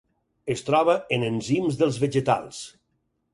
Es troba en enzims dels vegetals.